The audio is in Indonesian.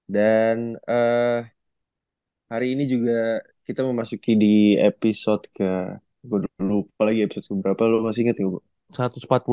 dan hari ini juga kita memasuki di episode ke gue lupa lagi episode ke berapa lu masih inget gak bu